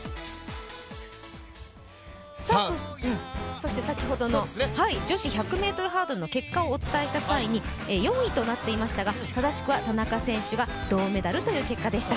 そして先ほどの女子１００ｍハードルの結果をお伝えした際に４位となっていましたが、正しくは田中選手が銅メダルという結果でした。